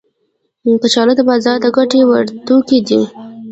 کچالو د بازار د ګټه ور توکي دي